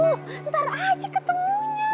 ntar aja ketemunya